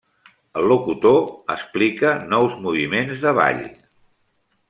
El locutor explica nous moviments de ball.